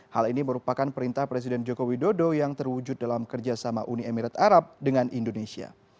hal ini merupakan perintah presiden joko widodo yang terwujud dalam kerjasama uni emirat arab dengan indonesia